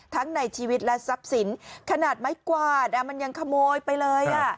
ในชีวิตและทรัพย์สินขนาดไม้กวาดมันยังขโมยไปเลย